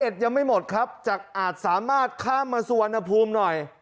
ยังไม่หมดครับจากอาจสามารถข้ามมาสุวรรณภูมิหน่อย